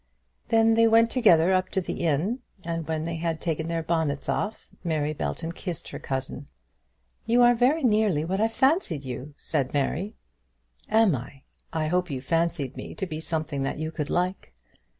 Then they went together up to the inn; and when they had taken their bonnets off, Mary Belton kissed her cousin. "You are very nearly what I fancied you," said Mary. "Am I? I hope you fancied me to be something that you could like."